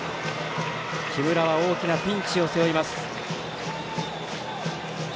木村は大きなピンチを背負います。